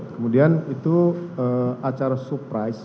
kemudian itu acara surprise